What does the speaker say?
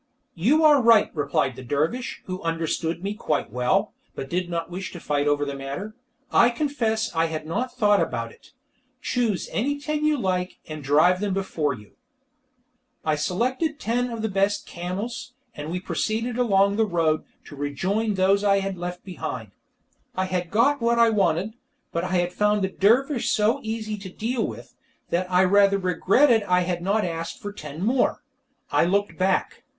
"You are right," replied the dervish, who understood me quite well, but did not wish to fight the matter. "I confess I had not thought about it. Choose any ten you like, and drive them before you." I selected ten of the best camels, and we proceeded along the road, to rejoin those I had left behind. I had got what I wanted, but I had found the dervish so easy to deal with, that I rather regretted I had not asked for ten more. I looked back.